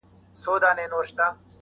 هغه وایي روژه به نور زما په اذان نسې,